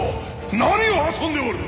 何を遊んでおる！